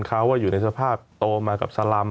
เขาอยู่ในสภาพโตมากับสลำ